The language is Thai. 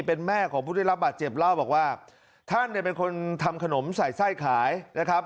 เป็นแม่ของผู้ได้รับบาดเจ็บเล่าบอกว่าท่านเนี่ยเป็นคนทำขนมใส่ไส้ขายนะครับ